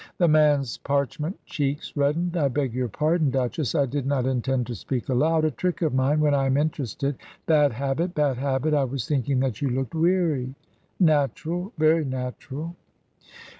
The man's parchment cheeks reddened. "I beg your pardon, Duchess. I did not intend to speak aloud; a trick of mine, when I am interested. Bad habit bad habit. I was thinking that you looked weary natural, very natural."